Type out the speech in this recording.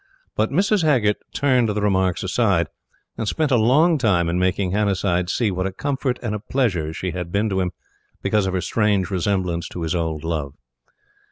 But Mrs. Haggert turned the remarks aside, and spent a long time in making Hannasyde see what a comfort and a pleasure she had been to him because of her strange resemblance to his old love.